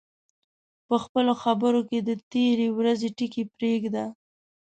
په خپلو خبرو کې د تېرې ورځې ټکي پرېږده